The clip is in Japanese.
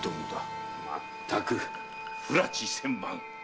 まったく不埒千万！